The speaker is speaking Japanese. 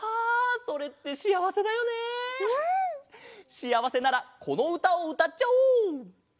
しあわせならこのうたをうたっちゃおう！